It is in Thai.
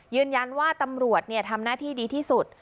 ยืนยันว่าตำรวจทำหน้าที่ดีที่สุด